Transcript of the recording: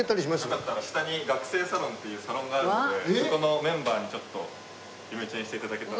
よかったら下に学生サロンっていうサロンがあるのでそこのメンバーにちょっとイメチェンして頂けたら。